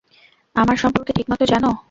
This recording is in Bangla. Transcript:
আমার সম্পর্কে ঠিকমতো জানো?